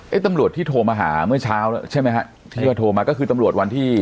เอ๊ะตำลวดที่โทรมาหาเมื่อเช้าใช่ไหมฮะไอ้ที่มันโทรมาก็คือตำลวดวันที่